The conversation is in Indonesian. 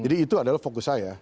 jadi itu adalah fokus saya